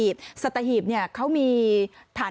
พอพาไปดูก็จะพาไปดูที่เรื่องของเครื่องบินเฮลิคอปเตอร์ต่าง